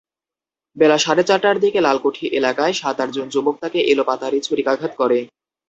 বেলা সাড়ে চারটার দিকে লালকুঠি এলাকায় সাত-আটজন যুবক তাঁকে এলোপাতাড়ি ছুরিকাঘাত করে।